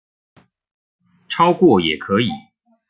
超過也可以